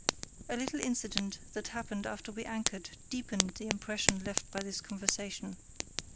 A little incident that happened after we anchored deepened the impression left by this conversation.